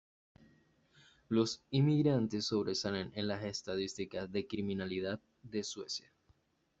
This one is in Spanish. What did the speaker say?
Los inmigrantes sobresalen en las estadísticas de criminalidad de Suecia.